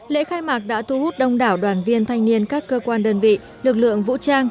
lễ khai mạc đã thu hút đông đảo đoàn viên thanh niên các cơ quan đơn vị lực lượng vũ trang